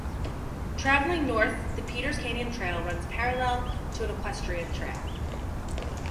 Traveling North the Peters Canyon trail runs parallel to an equestrian trail.